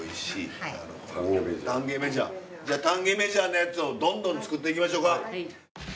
じゃあたんげめじゃーなやつをどんどん作っていきましょうか。